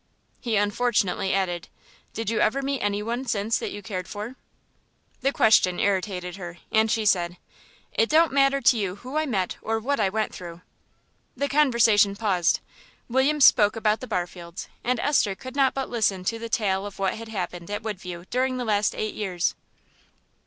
He unfortunately added, "Did you ever meet any one since that you cared for?" The question irritated her, and she said, "It don't matter to you who I met or what I went through." The conversation paused. William spoke about the Barfields, and Esther could not but listen to the tale of what had happened at Woodview during the last eight years.